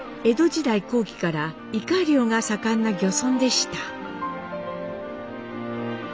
江戸時代後期からイカ漁が盛んな漁村でした。